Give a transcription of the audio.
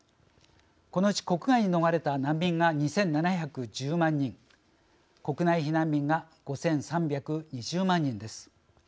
このうち国外に逃れた難民が２７１０万人国内避難民が５３２０万人です。